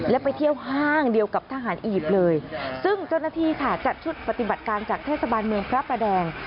และไปเที่ยวห้างเดียวกับทหารอียิปต์เลยซึ่งเจ้าหน้าที่ค่ะจัดชุดปฏิบัติการจากเทศบาลเมืองพระประแดง